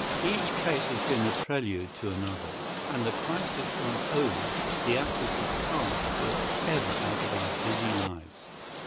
Each case has been the prelude to another, and the crisis once over the actors have passed for ever out of our busy lives.